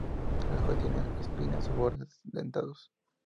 Las hojas tienen espinas o bordes dentados.